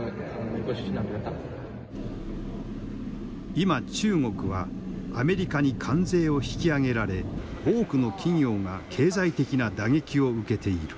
今中国はアメリカに関税を引き上げられ多くの企業が経済的な打撃を受けている。